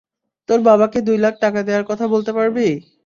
তোর বাবাকে দুই লাখ টাকা দেয়ার কথা বলতে পারবি?